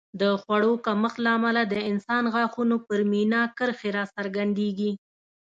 د خوړو کمښت له امله د انسان غاښونو پر مینا کرښې راڅرګندېږي